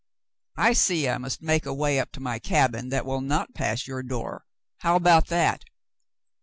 I see I must make a way up to my cabin that will not pass your door. How about that